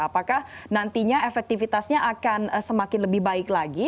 apakah nantinya efektivitasnya akan semakin lebih baik lagi